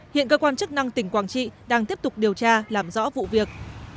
hiện cơ quan chức năng tỉnh quảng trị đang tiếp tục điều tra làm rõ vụ việc